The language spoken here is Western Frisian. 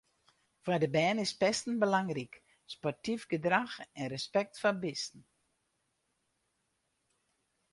Foar de bern is pesten belangryk, sportyf gedrach en respekt foar bisten.